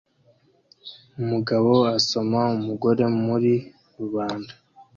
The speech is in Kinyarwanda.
Umugabo asoma umugore muri rubanda